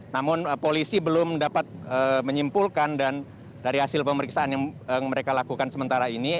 namun polisi belum dapat menyimpulkan dan dari hasil pemeriksaan yang mereka lakukan sementara ini